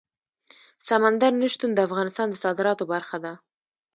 سمندر نه شتون د افغانستان د صادراتو برخه ده.